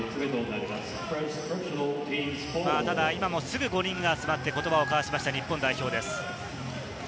ただ今、もうすぐ５人が集まって言葉を交わしました、日本代表です。